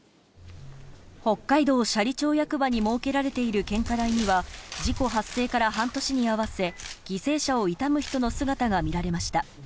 北海道斜里町役場に設けられている献花台には事故発生から半年に合わせ犠牲者を悼む人の姿が見られました。